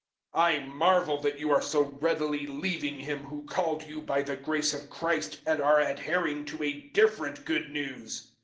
001:006 I marvel that you are so readily leaving Him who called you by the grace of Christ, and are adhering to a different Good News.